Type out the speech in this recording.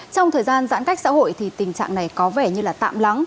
trong thời gian giãn cách xã hội thì tình trạng này có vẻ như là tạm lắng